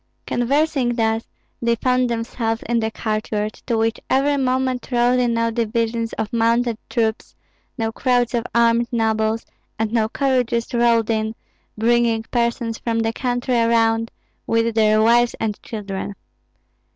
Conversing thus, they found themselves in the courtyard, to which every moment rode in now divisions of mounted troops, now crowds of armed nobles, and now carriages rolled in, bringing persons from the country around, with their wives and children.